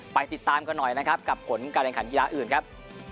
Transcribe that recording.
ไปติดตามกันหน่อยนะครับกับผลการแข่งขันกีฬาอื่นครับ